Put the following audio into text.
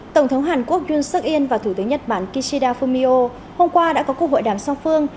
tổng thống hàn quốc yun seok in và thủ tướng nhật bản kishida fumio hôm qua đã có cuộc hội đàm song phương